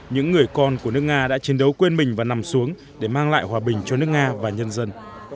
những người con của nước nga đã chiến đấu quên mình và nằm xuống để mang lại hòa bình cho nước nga và nhân dân